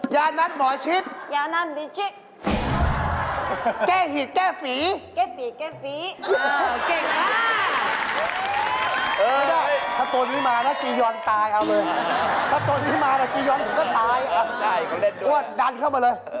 ยานัดหมอชิบยานัดหมอชิบ